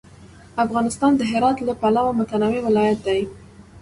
افغانستان د هرات له پلوه متنوع ولایت دی.